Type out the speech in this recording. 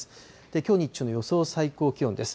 きょう日中の予想最高気温です。